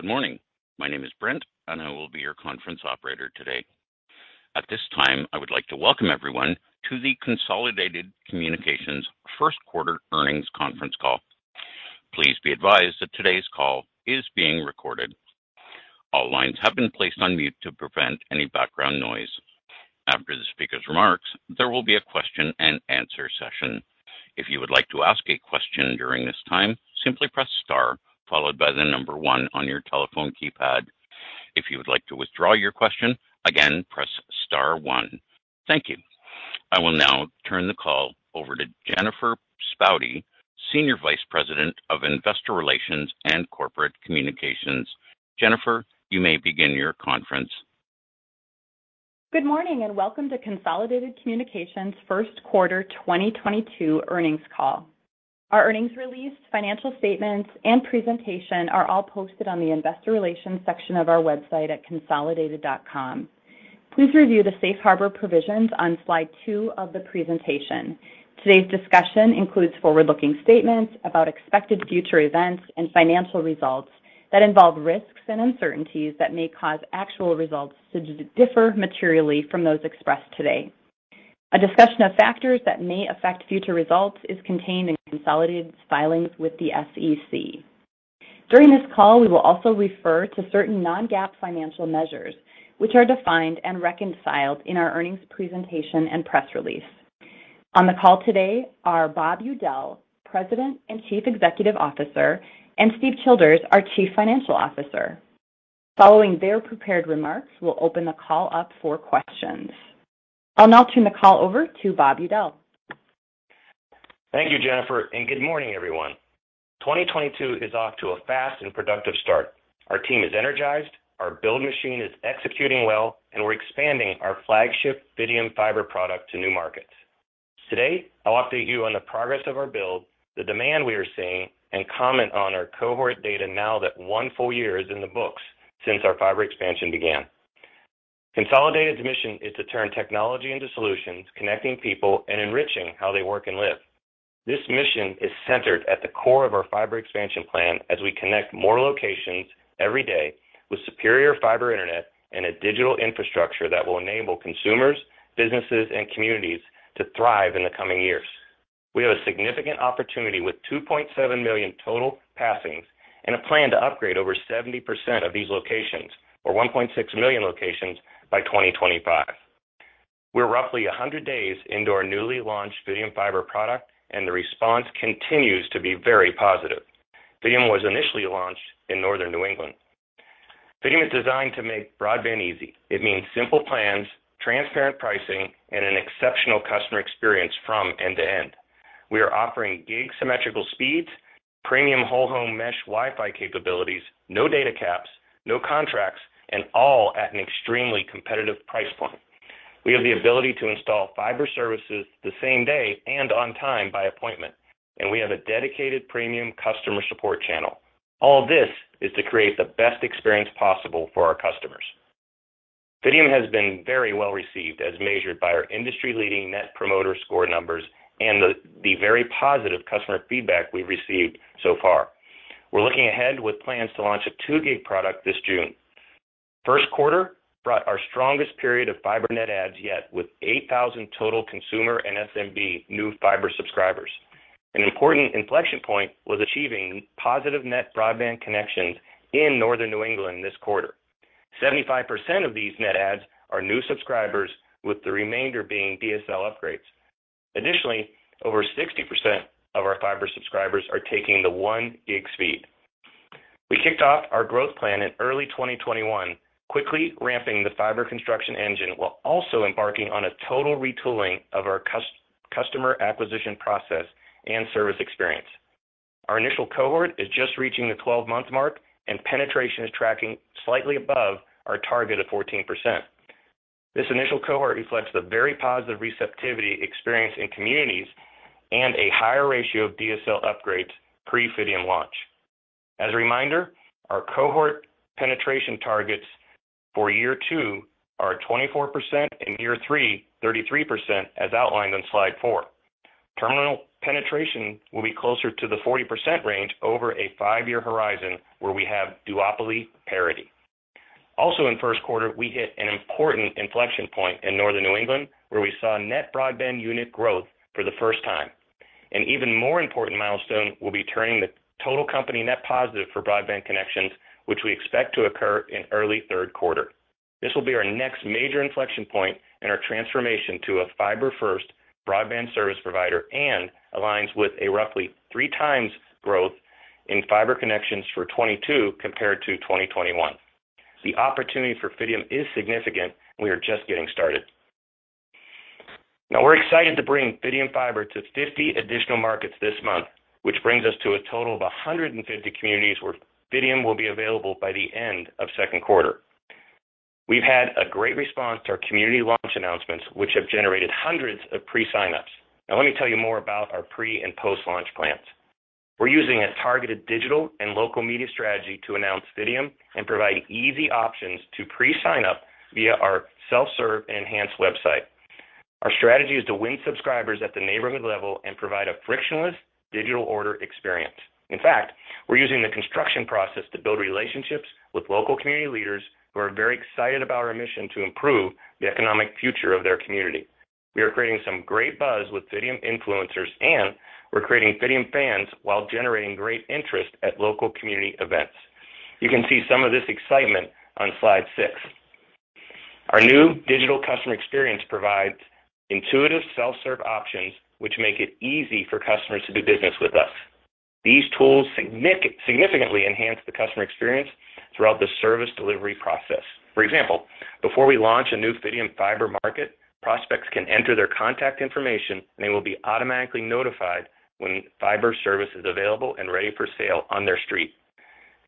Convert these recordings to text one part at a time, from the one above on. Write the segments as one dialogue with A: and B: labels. A: Good morning. My name is Brent, and I will be your conference operator today. At this time, I would like to welcome everyone to the Consolidated Communications First Quarter Earnings Conference Call. Please be advised that today's call is being recorded. All lines have been placed on mute to prevent any background noise. After the speaker's remarks, there will be a question and answer session. If you would like to ask a question during this time, simply press star followed by the number one on your telephone keypad. If you would like to withdraw your question, again, press star one. Thank you. I will now turn the call over to Jennifer Spaude, Senior Vice President of Investor Relations and Corporate Communications. Jennifer, you may begin your conference.
B: Good morning and welcome to Consolidated Communications First Quarter 2022 Earnings Call. Our earnings release, financial statements and presentation are all posted on the investor relations section of our website at consolidated.com. Please review the safe harbor provisions on slide two of the presentation. Today's discussion includes forward-looking statements about expected future events and financial results that involve risks and uncertainties that may cause actual results to differ materially from those expressed today. A discussion of factors that may affect future results is contained in Consolidated's filings with the SEC. During this call, we will also refer to certain non-GAAP financial measures, which are defined and reconciled in our earnings presentation and press release. On the call today are Bob Udell, President and Chief Executive Officer, and Steve Childers, our Chief Financial Officer. Following their prepared remarks, we'll open the call up for questions. I'll now turn the call over to Bob Udell.
C: Thank you, Jennifer, and good morning, everyone. 2022 is off to a fast and productive start. Our team is energized, our build machine is executing well, and we're expanding our flagship Fidium Fiber product to new markets. Today, I'll update you on the progress of our build, the demand we are seeing, and comment on our cohort data now that one full year is in the books since our fiber expansion began. Consolidated's mission is to turn technology into solutions, connecting people and enriching how they work and live. This mission is centered at the core of our fiber expansion plan as we connect more locations every day with superior fiber internet and a digital infrastructure that will enable consumers, businesses, and communities to thrive in the coming years. We have a significant opportunity with 2.7 million total passings and a plan to upgrade over 70% of these locations, or 1.6 million locations by 2025. We're roughly 100 days into our newly launched Fidium Fiber product, and the response continues to be very positive. Fidium was initially launched in northern New England. Fidium is designed to make broadband easy. It means simple plans, transparent pricing, and an exceptional customer experience from end to end. We are offering gig symmetrical speeds, premium whole home mesh Wi-Fi capabilities, no data caps, no contracts, and all at an extremely competitive price point. We have the ability to install fiber services the same day and on time by appointment, and we have a dedicated premium customer support channel. All this is to create the best experience possible for our customers. Fidium has been very well received as measured by our industry-leading Net Promoter Score numbers and the very positive customer feedback we've received so far. We're looking ahead with plans to launch a 2 gig product this June. First quarter brought our strongest period of fiber net adds yet with 8,000 total consumer and SMB new fiber subscribers. An important inflection point was achieving positive net broadband connections in northern New England this quarter. 75% of these net adds are new subscribers, with the remainder being DSL upgrades. Additionally, over 60% of our fiber subscribers are taking the 1 gig speed. We kicked off our growth plan in early 2021, quickly ramping the fiber construction engine while also embarking on a total retooling of our customer acquisition process and service experience. Our initial cohort is just reaching the 12-month mark, and penetration is tracking slightly above our target of 14%. This initial cohort reflects the very positive receptivity experienced in communities and a higher ratio of DSL upgrades pre-Fidium launch. As a reminder, our cohort penetration targets for year two are 24%, in year three, 33%, as outlined on slide four. Terminal penetration will be closer to the 40% range over a five year horizon where we have duopoly parity. Also in first quarter, we hit an important inflection point in northern New England, where we saw net broadband unit growth for the first time. An even more important milestone will be turning the total company net positive for broadband connections, which we expect to occur in early third quarter. This will be our next major inflection point in our transformation to a fiber first broadband service provider and aligns with roughly 3x growth in fiber connections for 2022 compared to 2021. The opportunity for Fidium is significant, and we are just getting started. We're excited to bring Fidium Fiber to 50 additional markets this month, which brings us to a total of 150 communities where Fidium will be available by the end of second quarter. We've had a great response to our community launch announcements, which have generated hundreds of pre-signups. Let me tell you more about our pre and post-launch plans. We're using a targeted digital and local media strategy to announce Fidium and provide easy options to pre-sign up via our self-serve enhanced website. Our strategy is to win subscribers at the neighborhood level and provide a frictionless digital order experience. In fact, we're using the construction process to build relationships with local community leaders who are very excited about our mission to improve the economic future of their community. We are creating some great buzz with Fidium influencers, and we're creating Fidium fans while generating great interest at local community events. You can see some of this excitement on slide six. Our new digital customer experience provides intuitive self-serve options, which make it easy for customers to do business with us. These tools significantly enhance the customer experience throughout the service delivery process. For example, before we launch a new Fidium Fiber market, prospects can enter their contact information, and they will be automatically notified when Fiber service is available and ready for sale on their street.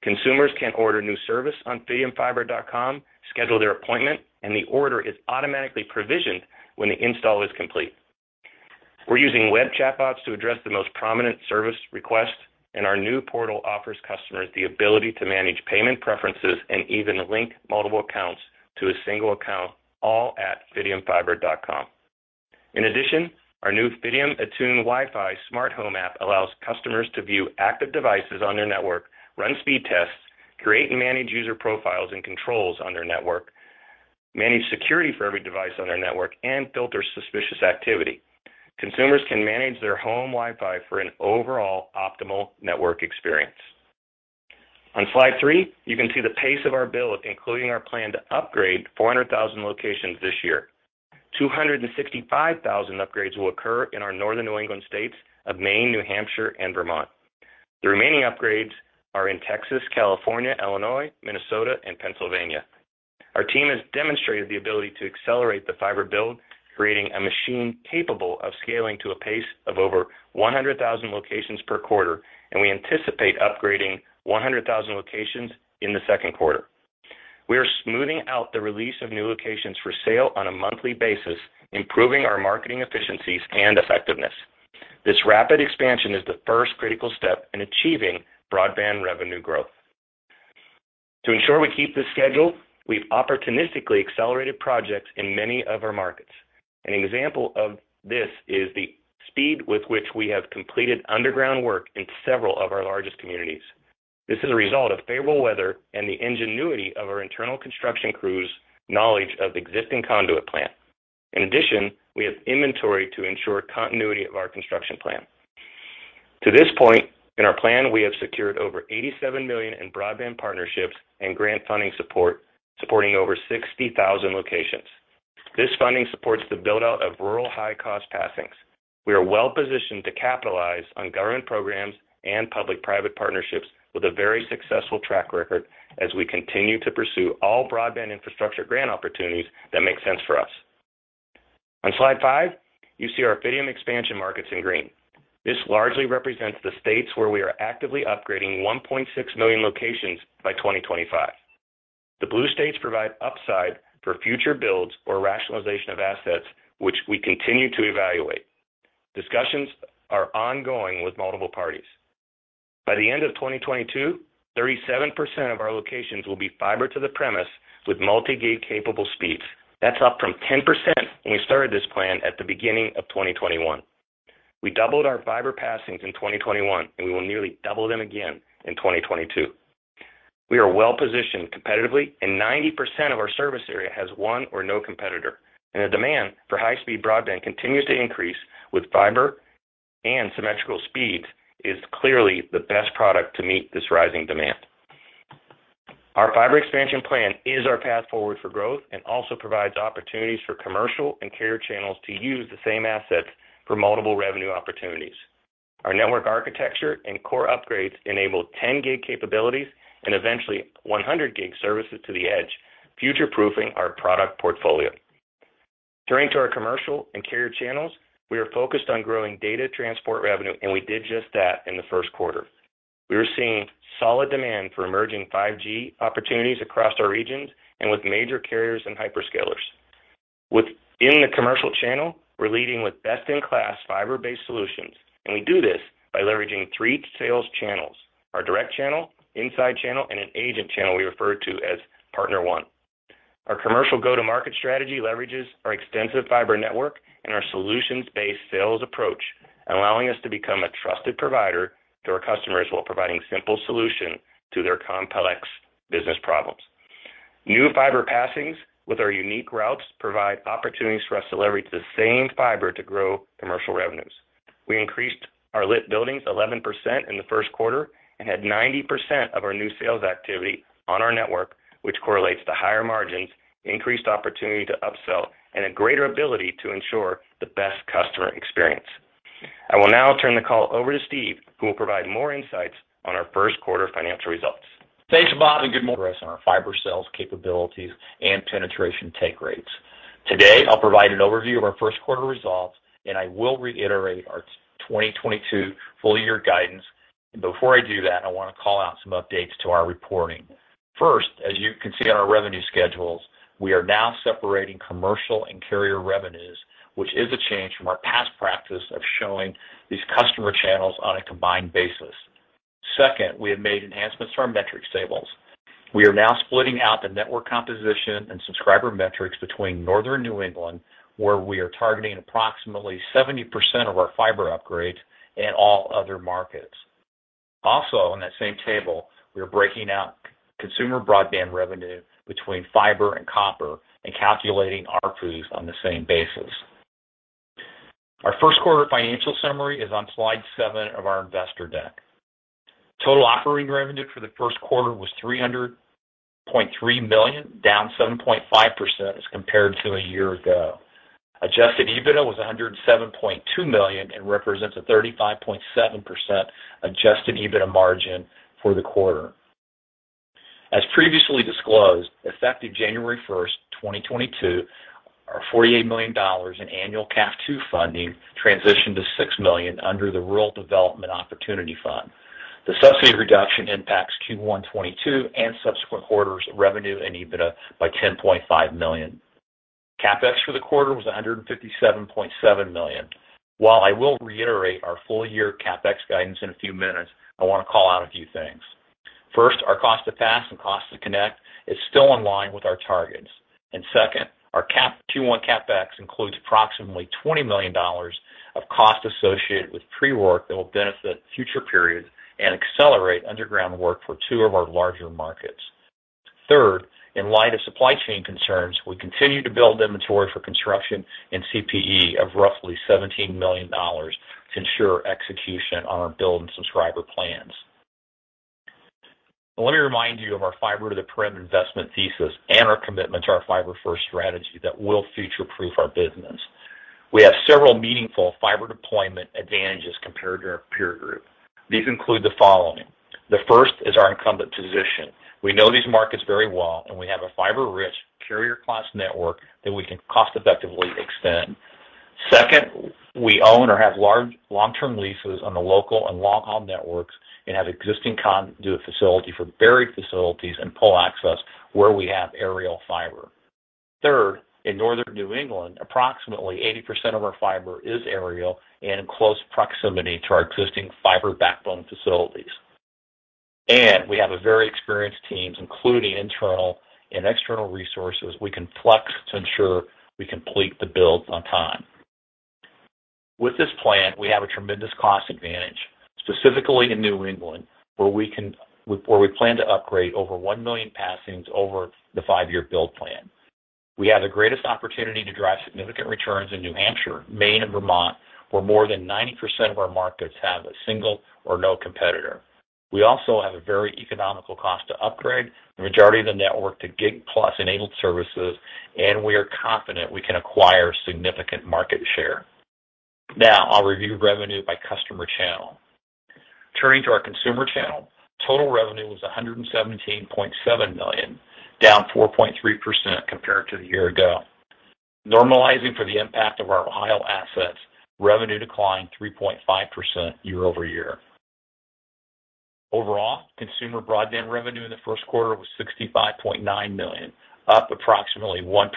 C: Consumers can order new service on FidiumFiber.com, schedule their appointment, and the order is automatically provisioned when the install is complete. We're using web chat bots to address the most prominent service requests, and our new portal offers customers the ability to manage payment preferences and even link multiple accounts to a single account, all at FidiumFiber.com. In addition, our new Fidium Attune Wi-Fi smart home app allows customers to view active devices on their network, run speed tests, create and manage user profiles and controls on their network, manage security for every device on their network, and filter suspicious activity. Consumers can manage their home Wi-Fi for an overall optimal network experience. On slide three, you can see the pace of our build, including our plan to upgrade 400,000 locations this year. 265,000 upgrades will occur in our northern New England states of Maine, New Hampshire, and Vermont. The remaining upgrades are in Texas, California, Illinois, Minnesota, and Pennsylvania. Our team has demonstrated the ability to accelerate the fiber build, creating a machine capable of scaling to a pace of over 100,000 locations per quarter, and we anticipate upgrading 100,000 locations in the second quarter. We are smoothing out the release of new locations for sale on a monthly basis, improving our marketing efficiencies and effectiveness. This rapid expansion is the first critical step in achieving broadband revenue growth. To ensure we keep this schedule, we've opportunistically accelerated projects in many of our markets. An example of this is the speed with which we have completed underground work in several of our largest communities. This is a result of favorable weather and the ingenuity of our internal construction crews' knowledge of the existing conduit plan. In addition, we have inventory to ensure continuity of our construction plan. To this point, in our plan, we have secured over $87 million in broadband partnerships and grant funding support, supporting over 60,000 locations. This funding supports the build-out of rural high-cost passings. We are well positioned to capitalize on government programs and public-private partnerships with a very successful track record as we continue to pursue all broadband infrastructure grant opportunities that make sense for us. On slide five, you see our Fidium expansion markets in green. This largely represents the states where we are actively upgrading 1.6 million locations by 2025. The blue states provide upside for future builds or rationalization of assets, which we continue to evaluate. Discussions are ongoing with multiple parties. By the end of 2022, 37% of our locations will be fiber to the premise with multi-gig capable speeds. That's up from 10% when we started this plan at the beginning of 2021. We doubled our fiber passings in 2021, and we will nearly double them again in 2022. We are well-positioned competitively and 90% of our service area has one or no competitor. The demand for high-speed broadband continues to increase, with fiber and symmetrical speeds is clearly the best product to meet this rising demand. Our fiber expansion plan is our path forward for growth and also provides opportunities for commercial and carrier channels to use the same assets for multiple revenue opportunities. Our network architecture and core upgrades enable 10 gig capabilities and eventually 100 gig services to the edge, future-proofing our product portfolio. Turning to our commercial and carrier channels, we are focused on growing data transport revenue, and we did just that in the first quarter. We are seeing solid demand for emerging 5G opportunities across our regions and with major carriers and hyperscalers. Within the commercial channel, we're leading with best-in-class fiber-based solutions, and we do this by leveraging three sales channels, our direct channel, inside channel, and an agent channel we refer to as Partner One. Our commercial go-to-market strategy leverages our extensive fiber network and our solutions-based sales approach, allowing us to become a trusted provider to our customers while providing simple solution to their complex business problems. New fiber passings with our unique routes provide opportunities for us to leverage the same fiber to grow commercial revenues. We increased our lit buildings 11% in the first quarter and had 90% of our new sales activity on our network, which correlates to higher margins, increased opportunity to upsell, and a greater ability to ensure the best customer experience. I will now turn the call over to Steve, who will provide more insights on our first quarter financial results.
D: Thanks, Bob, and good morning. On our fiber sales capabilities and penetration take rates. Today, I'll provide an overview of our first quarter results, and I will reiterate our 2022 full year guidance. Before I do that, I want to call out some updates to our reporting. First, as you can see on our revenue schedules, we are now separating commercial and carrier revenues, which is a change from our past practice of showing these customer channels on a combined basis. Second, we have made enhancements to our metrics tables. We are now splitting out the network composition and subscriber metrics between Northern New England, where we are targeting approximately 70% of our fiber upgrades in all other markets. Also, in that same table, we are breaking out consumer broadband revenue between fiber and copper and calculating ARPUs on the same basis. Our first quarter financial summary is on slide seven of our investor deck. Total operating revenue for the first quarter was $300.3 million, down 7.5% as compared to a year ago. Adjusted EBITDA was $107.2 million and represents a 35.7% adjusted EBITDA margin for the quarter. As previously disclosed, effective January 1, 2022, our $48 million in annual CAF II funding transitioned to $6 million under the Rural Digital Opportunity Fund. The subsidy reduction impacts Q1 2022 and subsequent quarters of revenue and EBITDA by $10.5 million. CapEx for the quarter was $157.7 million. While I will reiterate our full year CapEx guidance in a few minutes, I want to call out a few things. First, our cost to pass and cost to connect is still in line with our targets. Second, our Q1 CapEx includes approximately $20 million of costs associated with pre-work that will benefit future periods and accelerate underground work for two of our larger markets. Third, in light of supply chain concerns, we continue to build inventory for construction and CPE of roughly $17 million to ensure execution on our build and subscriber plans. Let me remind you of our fiber to the premise investment thesis and our commitment to our fiber-first strategy that will future-proof our business. We have several meaningful fiber deployment advantages compared to our peer group. These include the following. The first is our incumbent position. We know these markets very well, and we have a fiber-rich carrier class network that we can cost-effectively extend. Second, we own or have large long-term leases on the local and long-haul networks and have existing conduit facility for buried facilities and pole access where we have aerial fiber. Third, in northern New England, approximately 80% of our fiber is aerial and in close proximity to our existing fiber backbone facilities. We have a very experienced teams, including internal and external resources we can flex to ensure we complete the builds on time. With this plan, we have a tremendous cost advantage, specifically in New England, where we plan to upgrade over one million passings over the five year build plan. We have the greatest opportunity to drive significant returns in New Hampshire, Maine, and Vermont, where more than 90% of our markets have a single or no competitor. We also have a very economical cost to upgrade the majority of the network to gig plus enabled services, and we are confident we can acquire significant market share. Now I'll review revenue by customer channel. Turning to our consumer channel, total revenue was $117.7 million, down 4.3% compared to the year ago. Normalizing for the impact of our Ohio assets, revenue declined 3.5% year-over-year. Overall, consumer broadband revenue in the first quarter was $65.9 million, up approximately 1%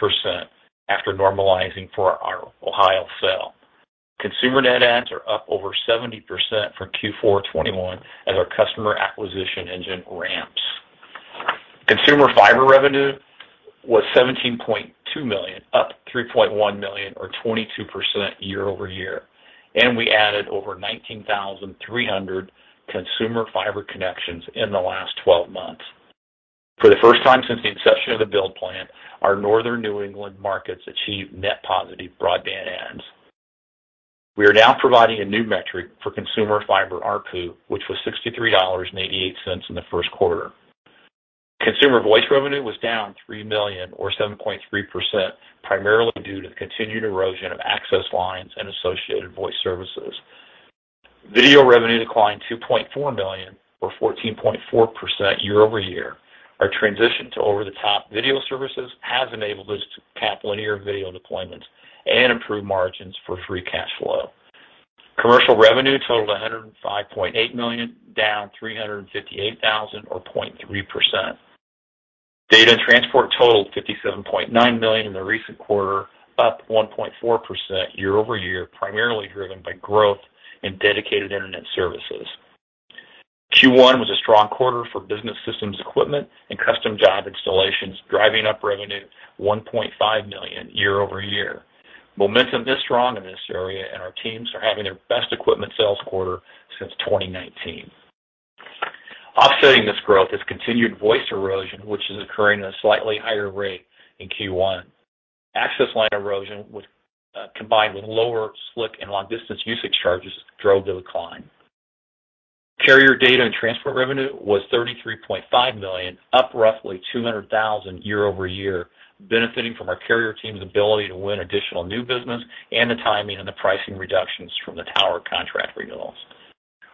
D: after normalizing for our Ohio sale. Consumer net adds are up over 70% from Q4 2021 as our customer acquisition engine ramps. Consumer fiber revenue was $17.2 million, up $3.1 million or 22% year-over-year, and we added over 19,300 consumer fiber connections in the last twelve months. For the first time since the inception of the build plan, our northern New England markets achieved net positive broadband adds. We are now providing a new metric for consumer fiber ARPU, which was $63.88 in the first quarter. Consumer voice revenue was down $3 million or 7.3%, primarily due to the continued erosion of access lines and associated voice services. Video revenue declined $2.4 million or 14.4% year-over-year. Our transition to over-the-top video services has enabled us to cap linear video deployments and improve margins for free cash flow. Commercial revenue totaled $105.8 million, down $358,000 or 0.3%. Data and transport totaled $57.9 million in the recent quarter, up 1.4% year-over-year, primarily driven by growth in dedicated internet services. Q1 was a strong quarter for business systems equipment and custom job installations, driving up revenue $1.5 million year-over-year. Momentum is strong in this area, and our teams are having their best equipment sales quarter since 2019. Offsetting this growth is continued voice erosion, which is occurring at a slightly higher rate in Q1. Access line erosion combined with lower SLIC and long-distance usage charges drove the decline. Carrier data and transport revenue was $33.5 million, up roughly $200,000 year-over-year, benefiting from our carrier team's ability to win additional new business and the timing and the pricing reductions from the tower contract renewals.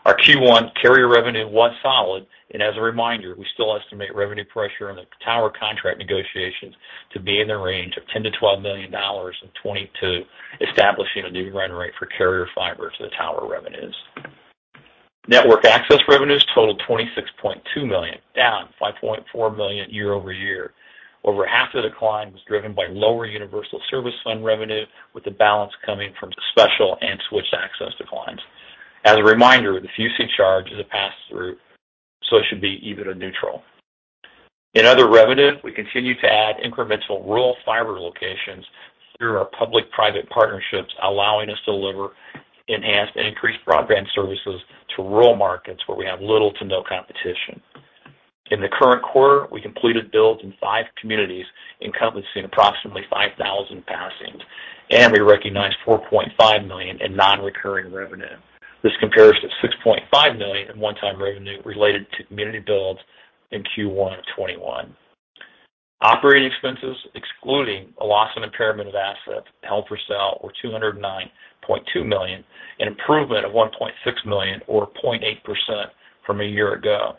D: Our Q1 carrier revenue was solid, and as a reminder, we still estimate revenue pressure on the tower contract negotiations to be in the range of $10 million-$12 million in 2022, establishing a new run rate for carrier fiber to the tower revenues. Network access revenues totaled $26.2 million, down $5.4 million year-over-year. Over half of the decline was driven by lower Universal Service Fund revenue, with the balance coming from special and switched access declines. As a reminder, the FCC charge is a pass-through, so it should be EBITDA neutral. In other revenue, we continue to add incremental rural fiber locations through our public-private partnerships, allowing us to deliver enhanced and increased broadband services to rural markets where we have little to no competition. In the current quarter, we completed builds in five communities encompassing approximately 5,000 passings, and we recognized $4.5 million in non-recurring revenue. This compares to $6.5 million in one-time revenue related to community builds in Q1 of 2021. Operating expenses, excluding a loss of impairment of assets held for sale, were $209.2 million, an improvement of $1.6 million or 0.8% from a year ago.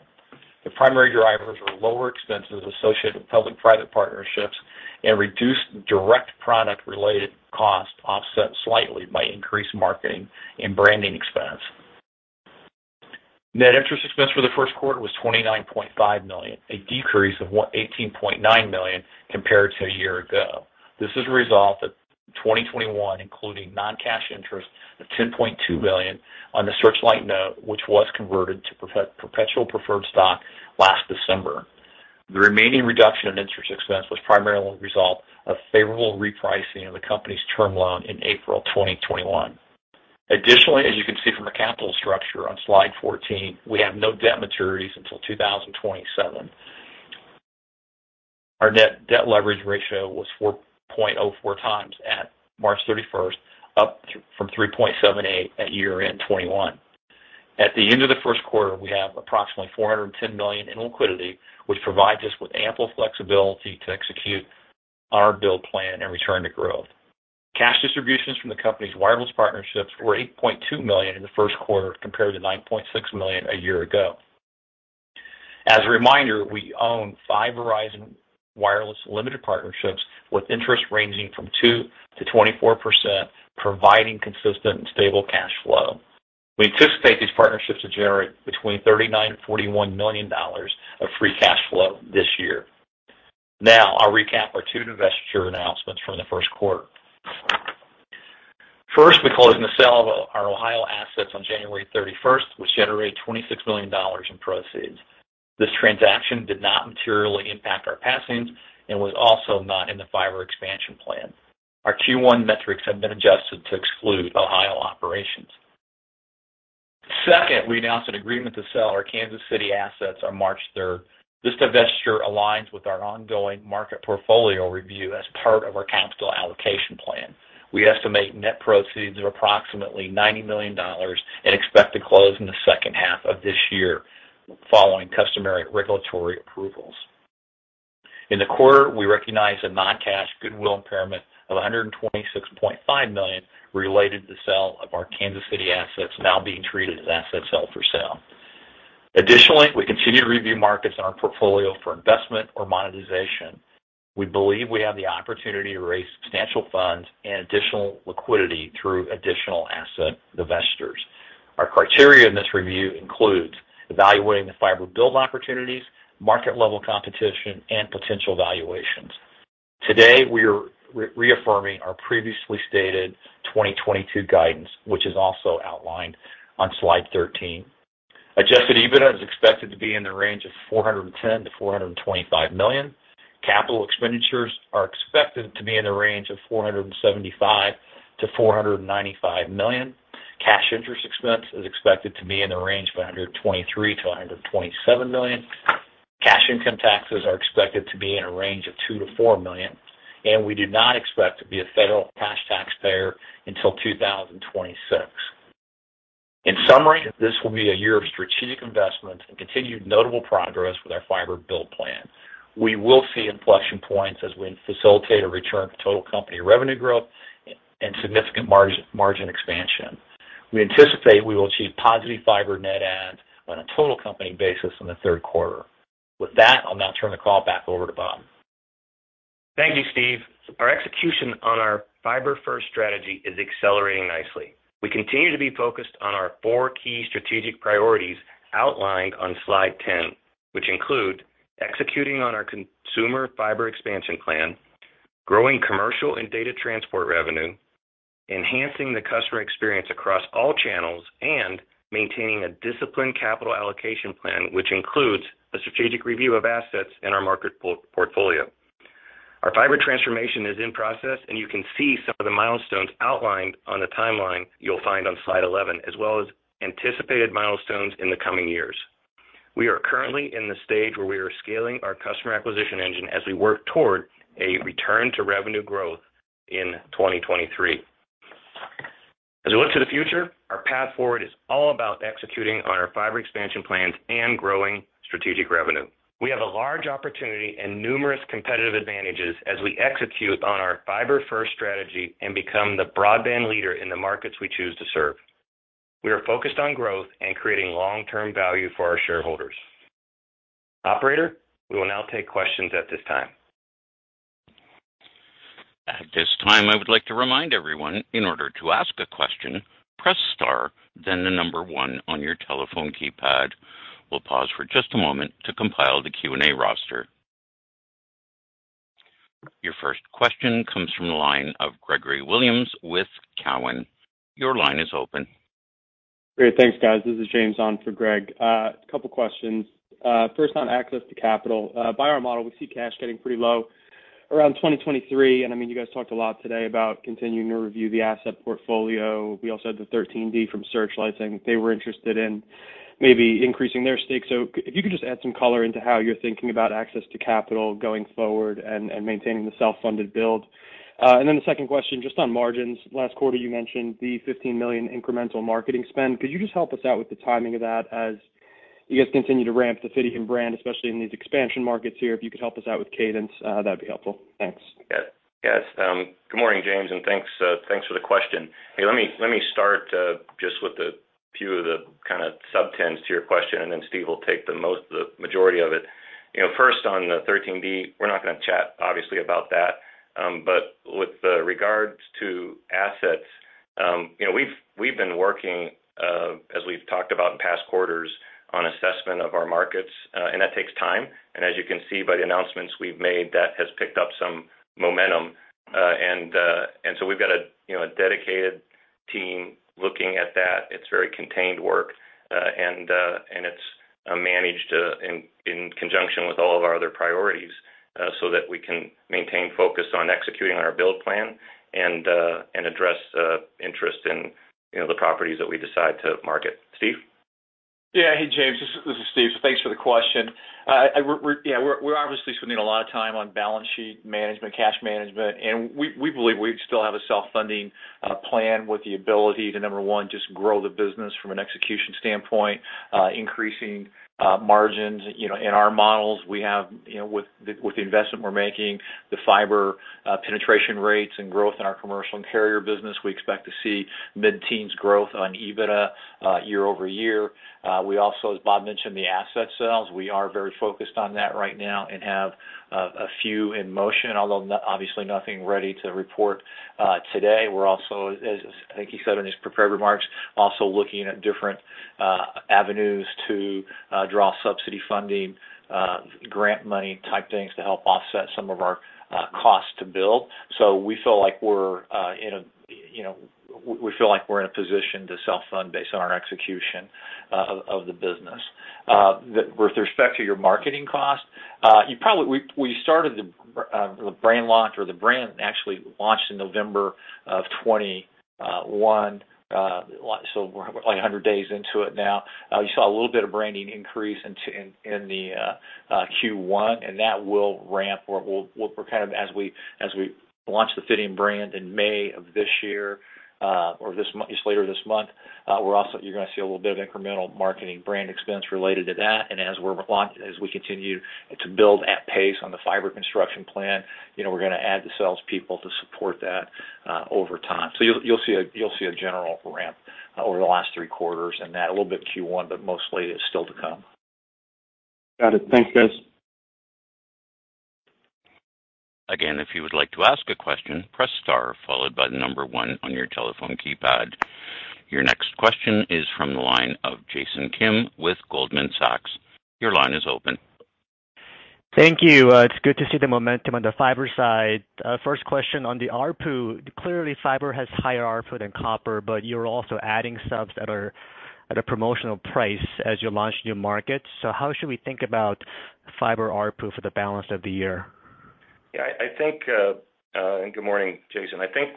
D: The primary drivers were lower expenses associated with public-private partnerships and reduced direct product related costs offset slightly by increased marketing and branding expense. Net interest expense for the first quarter was $29.5 million, a decrease of $18.9 million compared to a year ago. This is a result of 2021, including non-cash interest of $10.9 million on the Searchlight note, which was converted to perpetual preferred stock last December. The remaining reduction in interest expense was primarily a result of favorable repricing of the company's term loan in April 2021. Additionally, as you can see from the capital structure on slide 14, we have no debt maturities until 2027. Our net debt leverage ratio was 4.04x at March 31, up from 3.78 at year-end 2021. At the end of the first quarter, we have approximately $410 million in liquidity, which provides us with ample flexibility to execute our build plan and return to growth. Cash distributions from the company's wireless partnerships were $8.2 million in the first quarter compared to $9.6 million a year ago. As a reminder, we own five Verizon Wireless limited partnerships with interest ranging from 2% to 24%, providing consistent and stable cash flow. We anticipate these partnerships to generate between $39 million and $41 million of free cash flow this year. Now I'll recap our two divestiture announcements from the first quarter. First, we closed on the sale of our Ohio assets on January 31, which generated $26 million in proceeds. This transaction did not materially impact our passings and was also not in the fiber expansion plan. Our Q1 metrics have been adjusted to exclude Ohio operations. Second, we announced an agreement to sell our Kansas City assets on March third. This divestiture aligns with our ongoing market portfolio review as part of our capital allocation plan. We estimate net proceeds of approximately $90 million and expect to close in the second half of this year following customary regulatory approvals. In the quarter, we recognized a non-cash goodwill impairment of $126.5 million related to the sale of our Kansas City assets now being treated as assets held for sale. Additionally, we continue to review markets in our portfolio for investment or monetization. We believe we have the opportunity to raise substantial funds and additional liquidity through additional asset divestitures. Our criteria in this review includes evaluating the fiber build opportunities, market level competition, and potential valuations. Today, we are reaffirming our previously stated 2022 guidance, which is also outlined on slide 13. Adjusted EBITDA is expected to be in the range of $410 million-$425 million. Capital expenditures are expected to be in the range of $475 million-$495 million. Cash interest expense is expected to be in the range of $123 million-$127 million. Cash income taxes are expected to be in a range of $2 million-$4 million, and we do not expect to be a federal cash taxpayer until 2026. In summary, this will be a year of strategic investments and continued notable progress with our fiber build plan. We will see inflection points as we facilitate a return to total company revenue growth and significant margin expansion. We anticipate we will achieve positive fiber net adds on a total company basis in the third quarter. With that, I'll now turn the call back over to Bob.
C: Thank you, Steve. Our execution on our fiber-first strategy is accelerating nicely. We continue to be focused on our four key strategic priorities outlined on slide 10, which include executing on our consumer fiber expansion plan, growing commercial and data transport revenue, enhancing the customer experience across all channels, and maintaining a disciplined capital allocation plan, which includes a strategic review of assets in our market portfolio. Our fiber transformation is in process, and you can see some of the milestones outlined on the timeline you'll find on slide 11, as well as anticipated milestones in the coming years. We are currently in the stage where we are scaling our customer acquisition engine as we work toward a return to revenue growth in 2023. As we look to the future, our path forward is all about executing on our fiber expansion plans and growing strategic revenue. We have a large opportunity and numerous competitive advantages as we execute on our fiber-first strategy and become the broadband leader in the markets we choose to serve. We are focused on growth and creating long-term value for our shareholders. Operator, we will now take questions at this time.
A: At this time, I would like to remind everyone in order to ask a question, press star then the number one on your telephone keypad. We'll pause for just a moment to compile the Q&A roster. Your first question comes from the line of Gregory Williams with Cowen. Your line is open.
E: Great. Thanks, guys. This is James on for Greg. A couple questions. First on access to capital. By our model, we see cash getting pretty low around 2023. I mean, you guys talked a lot today about continuing to review the asset portfolio. We also had the 13D from Searchlight saying they were interested in maybe increasing their stake. If you could just add some color into how you're thinking about access to capital going forward and maintaining the self-funded build. The second question just on margins. Last quarter, you mentioned the $15 million incremental marketing spend. Could you just help us out with the timing of that as you guys continue to ramp the Fidium brand, especially in these expansion markets here, if you could help us out with cadence, that'd be helpful. Thanks.
C: Yes. Yes. Good morning, James, and thanks for the question. Let me start just with a few of the kinda subsets to your question, and then Steve will take the majority of it. You know, first on the 13D, we're not gonna chat obviously about that. But with regards to assets, you know, we've been working as we've talked about in past quarters on assessment of our markets, and that takes time. As you can see by the announcements we've made, that has picked up some momentum. We've got a you know a dedicated team looking at that. It's very contained work, and it's managed in conjunction with all of our other priorities, so that we can maintain focus on executing on our build plan and address interest in, you know, the properties that we decide to market. Steve.
D: Yeah. Hey, James, this is Steve. Thanks for the question. We're obviously spending a lot of time on balance sheet management, cash management, and we believe we still have a self-funding plan with the ability to, number one, just grow the business from an execution standpoint, increasing margins. You know, in our models, with the investment we're making, the fiber penetration rates and growth in our commercial and carrier business, we expect to see mid-teens% growth on EBITDA year-over-year. We also, as Bob mentioned, the asset sales, we are very focused on that right now and have a few in motion, although obviously nothing ready to report today. We're also, as I think he said in his prepared remarks, also looking at different avenues to draw subsidy funding, grant money type things to help offset some of our costs to build. We feel like we're in a position to self-fund based on our execution of the business. With respect to your marketing cost, we started the brand launch or the brand actually launched in November of 2021. We're like 100 days into it now. You saw a little bit of branding increase in Q1, and that will ramp as we launch the Fidium brand in May of this year, later this month. You're gonna see a little bit of incremental marketing brand expense related to that. As we continue to build at pace on the fiber construction plan, you know, we're gonna add the salespeople to support that over time. You'll see a general ramp over the last three quarters, and that's a little bit in Q1, but mostly it's still to come.
E: Got it. Thanks, guys.
A: Again, if you would like to ask a question, press star followed by one on your telephone keypad. Your next question is from the line of Jason Kim with Goldman Sachs. Your line is open.
F: Thank you. It's good to see the momentum on the fiber side. First question on the ARPU, clearly fiber has higher ARPU than copper, but you're also adding subs that are at a promotional price as you launch new markets. How should we think about fiber ARPU for the balance of the year?
C: Good morning, Jason. I think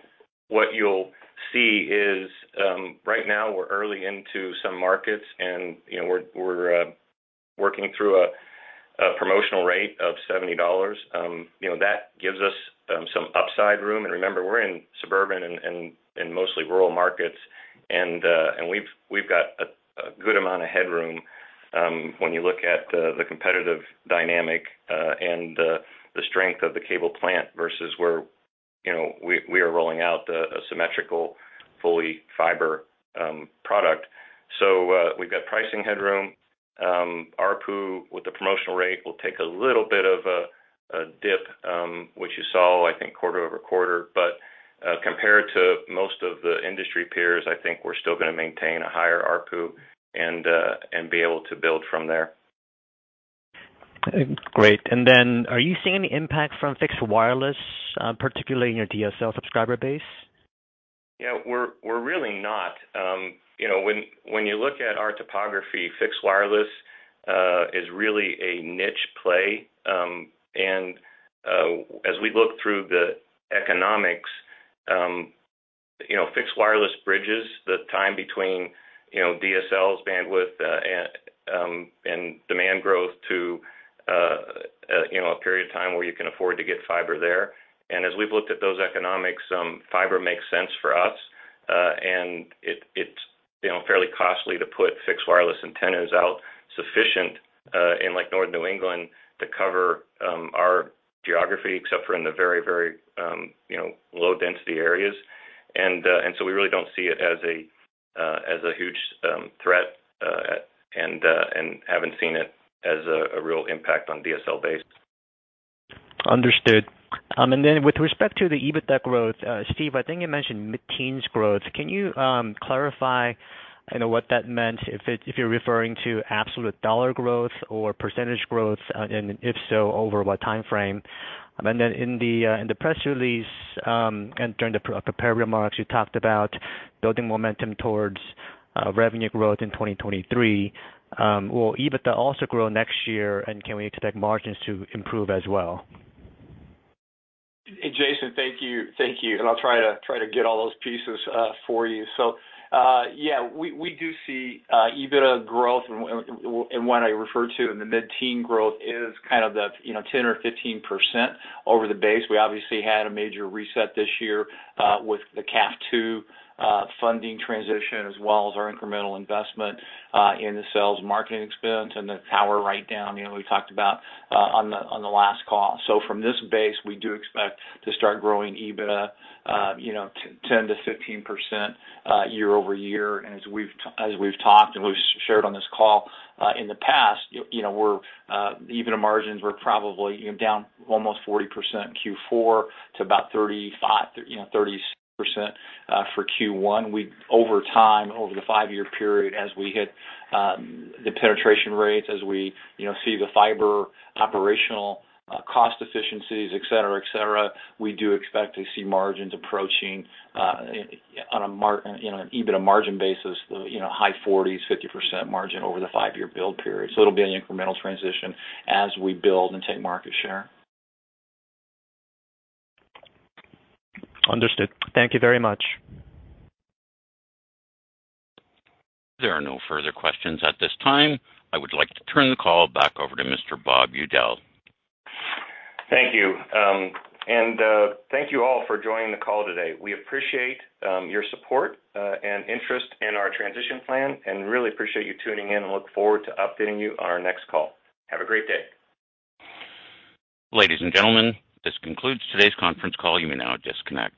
C: what you'll see is right now we're early into some markets and you know we're working through a promotional rate of $70. You know that gives us some upside room. Remember we're in suburban and mostly rural markets and we've got a good amount of headroom when you look at the competitive dynamic and the strength of the cable plant versus where you know we are rolling out a symmetrical fully fiber product. We've got pricing headroom. ARPU with the promotional rate will take a little bit of a dip which you saw I think quarter-over-quarter. Compared to most of the industry peers, I think we're still gonna maintain a higher ARPU and be able to build from there.
F: Great. Are you seeing any impact from fixed wireless, particularly in your DSL subscriber base?
C: Yeah, we're really not. You know, when you look at our topography, fixed wireless is really a niche play. As we look through the economics, you know, fixed wireless bridges the time between, you know, DSL's bandwidth, and demand growth to a period of time where you can afford to get fiber there. As we've looked at those economics, fiber makes sense for us. It's, you know, fairly costly to put fixed wireless antennas out sufficiently in like northern New England to cover our geography, except for in the very low density areas. We really don't see it as a huge threat. Haven't seen it as a real impact on DSL base.
F: Understood. With respect to the EBITDA growth, Steve, I think you mentioned mid-teens% growth. Can you clarify, you know, what that meant, if you're referring to absolute dollar growth or percentage growth, and if so, over what timeframe? In the press release, and during the prepared remarks, you talked about building momentum towards revenue growth in 2023. Will EBITDA also grow next year, and can we expect margins to improve as well?
D: Jason, thank you. I'll try to get all those pieces for you. Yeah, we do see EBITDA growth and what I refer to in the mid-teen growth is kind of the, you know, 10 or 15% over the base. We obviously had a major reset this year with the CAF II funding transition, as well as our incremental investment in the sales and marketing expense and the tower write-down, you know, we talked about on the last call. From this base, we do expect to start growing EBITDA, you know, 10%-15% year-over-year. As we've talked and we've shared on this call, in the past, you know, EBITDA margins were probably, you know, down almost 40% in Q4 to about 35-30% for Q1. Over time, over the five-year period as we hit the penetration rates, as we, you know, see the fiber operational cost efficiencies, et cetera, et cetera, we do expect to see margins approaching, on a, you know, an EBITDA margin basis, the, you know, high 40s-50% margin over the five-year build period. It'll be an incremental transition as we build and take market share.
F: Understood. Thank you very much.
A: There are no further questions at this time. I would like to turn the call back over to Mr. Bob Udell.
C: Thank you. Thank you all for joining the call today. We appreciate your support and interest in our transition plan and really appreciate you tuning in and look forward to updating you on our next call. Have a great day.
A: Ladies and gentlemen, this concludes today's conference call. You may now disconnect.